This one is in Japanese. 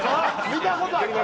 見た事あります？